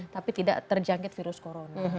tapi tidak terjangkit virus corona